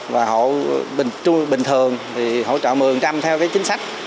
và hộ bình thường thì hỗ trợ một mươi theo cái chính sách